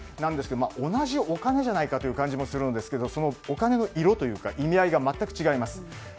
同じお金じゃないかという感じもするんですがそのお金の色というか意味合いが全く違います。